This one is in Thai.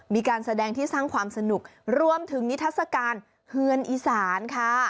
มีการแสดงที่สร้างความสนุกรวมถึงนิทัศกาลเฮือนอีสานค่ะ